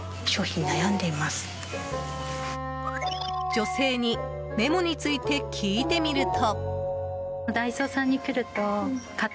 女性に、メモについて聞いてみると。